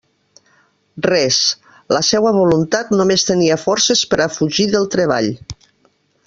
Res; la seua voluntat només tenia forces per a fugir del treball.